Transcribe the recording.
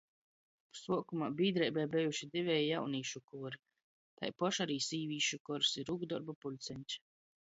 Suokumā bīdreibai bejuši diveji jaunīšu kori, taipoš ari sīvīšu kors i rūkdorbu pulceņš.